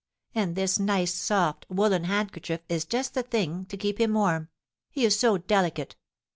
And this nice, soft, woollen handkerchief is just the thing to keep him warm; he is so delicate!"